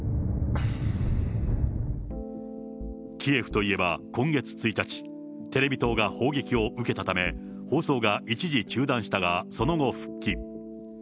キエフといえば、今月１日、テレビ塔が砲撃を受けたため、放送が一時中断したが、その後、復帰。